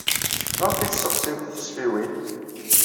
Maɣef ay tesseɣsimt tisfiwin?